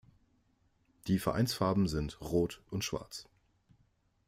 Die Vereinsfarben sind rot und schwarz.